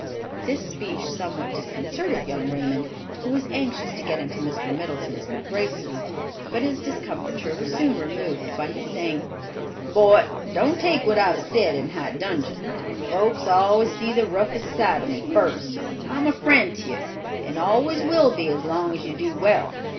This speech somewhat disconcerted young Raymond, who was anxious to get into Mr. Middleton's good graces; but his discomfiture was soon removed by his saying, "Boy, don't take what I've said in high dudgeon. Folks allus see the roughest side of me first; I'm a friend to you, and allus will be as long as you do well."